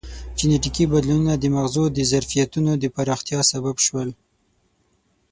جینټیکي بدلونونه د مغزو د ظرفیتونو د پراختیا سبب شول.